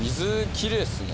きれいっすね